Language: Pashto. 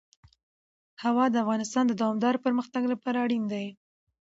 هوا د افغانستان د دوامداره پرمختګ لپاره اړین دي.